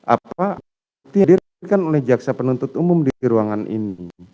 apa dihadirkan oleh jaksa penuntut umum di ruangan ini